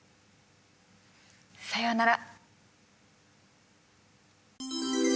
さようなら。